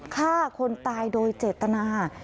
ฆ่าคนตายโดยเจตนา